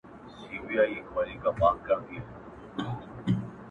هغه نن بيا د چا د ياد گاونډى;